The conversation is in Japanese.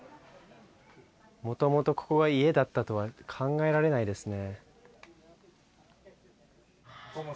もともとここが家だったとは考えられないですね